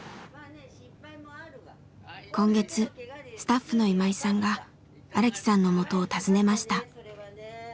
今月スタッフの今井さんが荒木さんのもとを訪ねました。